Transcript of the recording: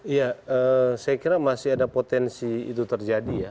iya saya kira masih ada potensi itu terjadi ya